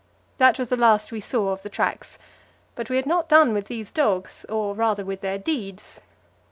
That was the last we saw of the tracks; but we had not done with these dogs, or rather with their deeds.